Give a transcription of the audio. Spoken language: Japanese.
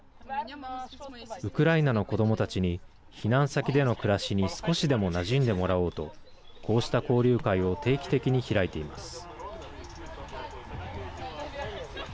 ウクライナの子どもたちに避難先での暮らしに少しでも、なじんでもらおうとこうした交流会を定期的に開いています。